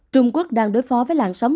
trung quốc đang đối phó với làn sóng